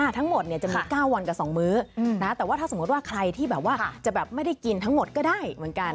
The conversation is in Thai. ทั้งหมดจะมี๙วันกับ๒มื้อแต่ว่าถ้าสมมติว่าใครที่แบบว่าจะแบบไม่ได้กินทั้งหมดก็ได้เหมือนกัน